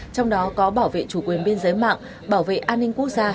trong đó có bảo vệ chủ quyền biên giới mạng bảo vệ an ninh quốc gia